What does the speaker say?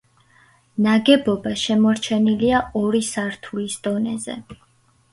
ნაგებობა შემორჩენილია ორი სართულის დონეზე.